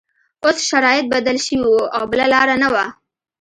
اوس شرایط بدل شوي وو او بله لاره نه وه